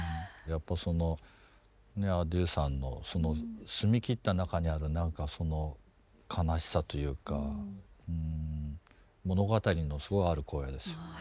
やっぱそのねａｄｉｅｕさんのその澄み切った中にある何かその悲しさというかうん物語のすごいある声ですよね。